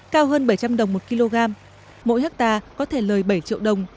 cao hơn bảy trăm linh đồng một kg mỗi hectare có thể lời bảy triệu đồng